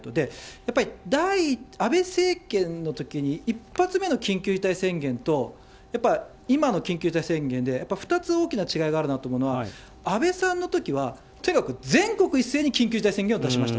やっぱり安倍政権のときに１発目の緊急事態宣言と、やっぱ今の緊急事態宣言で、やっぱ２つ大きな違いがあるなと思うのは、安倍さんのときはとにかく全国一斉に緊急事態宣言を出しました。